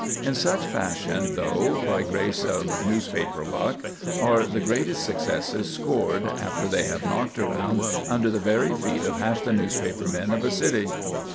In such fashion, though, by grace of newspaper luck, are the greatest successes scored after they have knocked around under the very feet of half the newspaper men of a city.